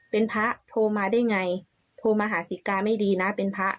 เป็นพระโทรมาได้ไงโทรมาหาสิกาไม่ดีนะเป็นพระ